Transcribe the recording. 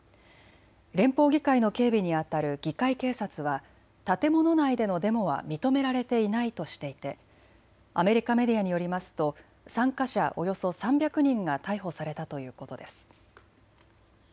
連邦議会の警備にあたる議会警察は建物内でのデモは認められていないとしていてアメリカメディアによりますと参加者およそ３００人が逮捕されたということです。